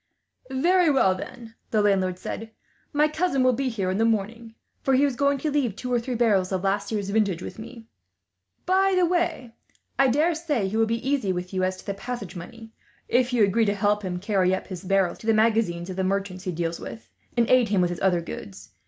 "Very well then," the landlord said; "my cousin will be here in the morning, for he is going to leave two or three barrels of last year's vintage with me. By the way, I daresay he will be easy with you as to the passage money, if you agree to help him carry up his barrels to the magazine of the merchant he deals with, and aid him with his other goods.